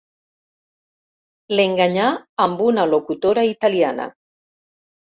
L'enganyà amb una locutora italiana.